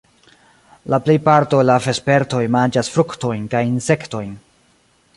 La plejparto el la vespertoj manĝas fruktojn kaj insektojn.